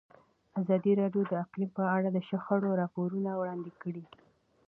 ازادي راډیو د اقلیم په اړه د شخړو راپورونه وړاندې کړي.